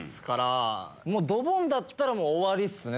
ドボンだったら終わりっすね。